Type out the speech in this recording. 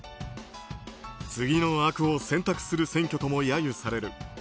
次の悪を選択する選挙とも揶揄される